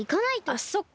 あっそっか。